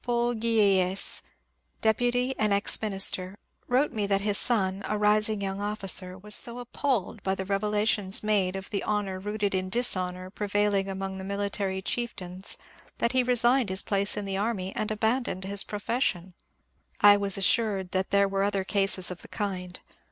Paul Guieyesse, deputy and ex minister, wrote me that his son, a rising young officer, was so appalled by the revelations made of the honour rooted in dishonour prevailing among the military chieftains that he resigned his place in the army and abandoned his profession. I was as sured that there were other cases of the kind.